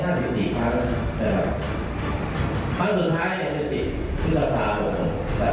ห้าสิบสี่ครั้งนะครับครั้งสุดท้ายเนี่ยสิบทุกษศาสตร์หก